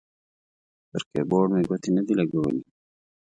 پر کیبورډ مې ګوتې نه دي لګولي